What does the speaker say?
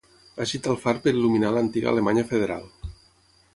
Agita el far per il·luminar l'antiga Alemanya Federal.